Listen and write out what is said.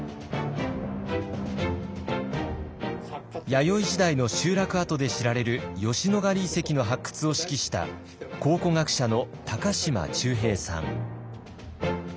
弥生時代の集落跡で知られる吉野ヶ里遺跡の発掘を指揮した考古学者の高島忠平さん。